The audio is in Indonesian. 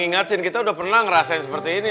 ingatin kita udah pernah ngerasain seperti ini